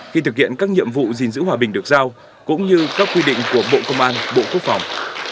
khi thực hiện các nhiệm vụ gìn giữ hòa bình được giao cũng như các quy định của bộ công an bộ quốc phòng